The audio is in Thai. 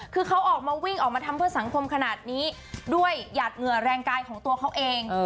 คือเขาออกมาวิ่งออกมาทำเพื่อสังคมขนาดนี้ด้วยหยาดเหงื่อแรงกายของตัวเขาเอง